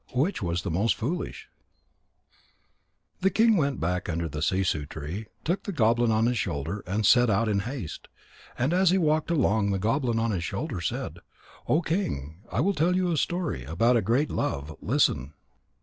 Which was the most foolish?_ Then the king went back under the sissoo tree, took the goblin on his shoulder, and set out in haste. And as he walked along, the goblin on his shoulder said: "O King, I will tell you a story about a great love. Listen."